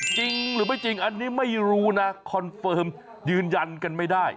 จริงหรือไม่จริงอันนี้ไม่รู้นะคอนเฟิร์มยืนยันกันไม่ได้